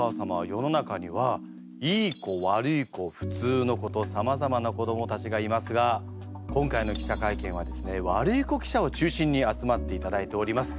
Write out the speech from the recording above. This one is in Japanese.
世の中にはいい子悪い子普通の子とさまざまな子どもたちがいますが今回の記者会見はですねワルイコ記者を中心に集まっていただいております。